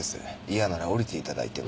嫌なら降りていただいても。